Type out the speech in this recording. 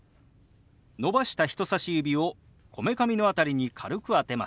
伸ばした人さし指をこめかみの辺りに軽く当てます。